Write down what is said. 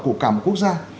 của cả một quốc gia